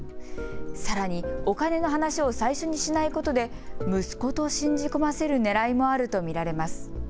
さらにお金の話を最初にしないことで息子と信じ込ませるねらいもあると見られます。